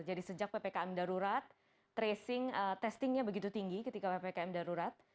jadi sejak ppkm darurat tracing testingnya begitu tinggi ketika ppkm darurat